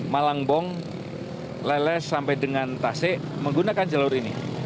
malangbong leles sampai dengan tasik menggunakan jalur ini